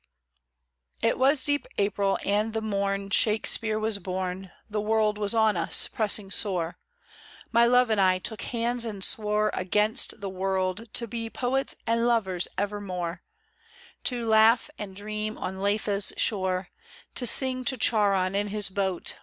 IT was deep April, and the morn Shakspere was born ; The world was on us, pressing sore ; My Love and I took hands and swore, Against the world, to be Poets and lovers evermore, To laugh and dream on Lethe's shore. To sing to Charon in his boat.